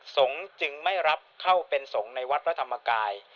จึงไม่รับเข้าเป็นสงฆ์ในวัดพระธรรมกาย